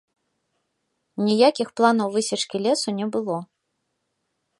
Ніякіх планаў высечкі лесу не было.